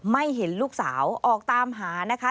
ไม่เห็นลูกสาวออกตามหานะคะ